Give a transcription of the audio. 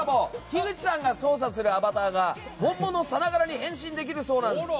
樋口さんが操作するアバターが本物さながらに変身できるそうなんです。